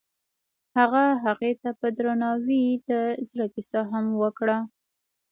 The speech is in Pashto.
هغه هغې ته په درناوي د زړه کیسه هم وکړه.